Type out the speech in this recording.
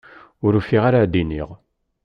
Ur ufiɣ ara d-iniɣ.